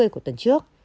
của tuần trước